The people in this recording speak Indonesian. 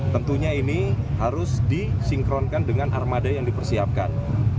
tentunya ini harus disinkronkan dengan armada yang dipersiapkan